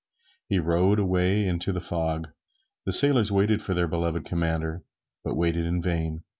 He rowed away into the fog. The sailors waited for their beloved commander, but waited in vain.